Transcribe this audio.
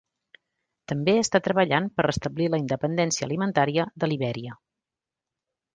També està treballant per restablir la independència alimentària de Libèria.